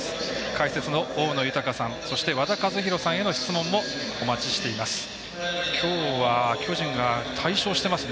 解説の大野豊さんそして、和田一浩さんへの質問もお待ちしております。